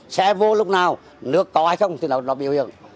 xe vô lúc nào nước có hay không thì nó biểu hiện